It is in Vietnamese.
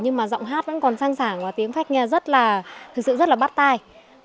nhưng mà giọng hát vẫn còn sang sảng và tiếng phách nghe rất là thực sự rất là bắt tai